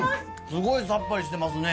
スゴいさっぱりしてますね。